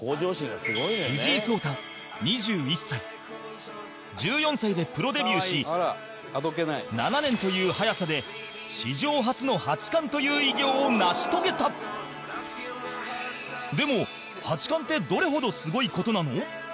藤井聡太、２１歳１４歳でプロデビューし７年という早さで史上初の八冠という偉業を成し遂げたでも、八冠ってどれほど、すごい事なの？